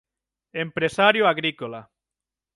Empresario agrícola.